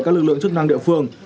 và các lực lượng chức năng địa phương